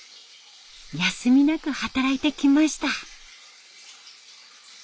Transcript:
休みなく働いてきました。